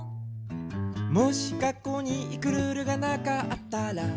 「もし学校に行くルールがなかったら？」